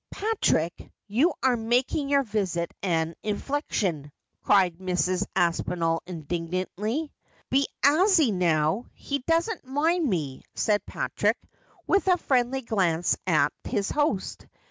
' Patrick, you are making your visit an infliction,' cried Mrs. Aspinall indignantly. ' Be aisy now, he don't mind me,' said Patrick, with a friendly glance at his host.